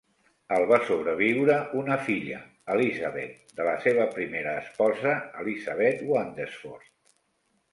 El va sobreviure una filla, Elizabeth, de la seva primera esposa, Elizabeth Wandesford.